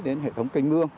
đến hệ thống kênh mương